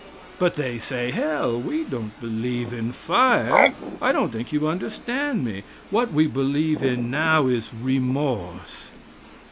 But they say, "Hell, we don't believe in fire. I don't think you understand me. What we believe in now is remorse."